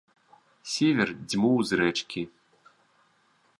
Сівер дзьмуў з рэчкі.